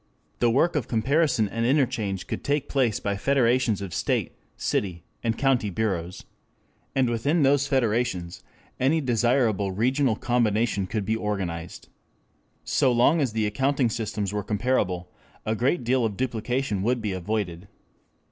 The work of comparison and interchange could take place by federations of state and city and county bureaus. And within those federations any desirable regional combination could be organized. So long as the accounting systems were comparable, a great deal of duplication would be avoided.